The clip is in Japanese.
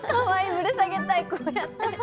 ぶら下げたいこうやって。